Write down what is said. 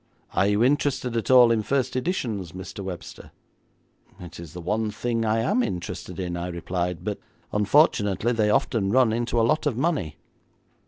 'Are you interested at all in first editions, Mr. Webster?' 'It is the one thing I am interested in,' I replied; 'but unfortunately they often run into a lot of money.'